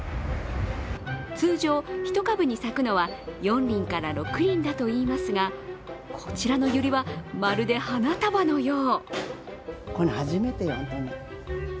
通常、１株に咲くのは４輪から６輪だといいますがこちらのユリは、まるで花束のよう。